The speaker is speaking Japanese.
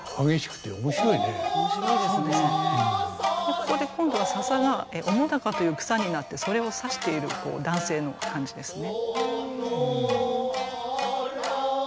ここで今度は笹が「おもだか」という草になってそれを挿している男性の感じですね。